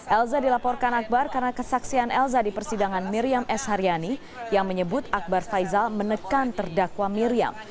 elza dilaporkan akbar karena kesaksian elza di persidangan miriam s haryani yang menyebut akbar faisal menekan terdakwa miriam